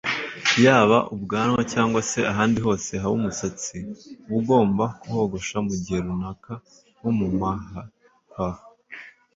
yaba ubwanwa cyangwa se ahandi hose haba umusatsi uba ugomba kogoshwa mu gihe runaka nko mu maha (ukwaha)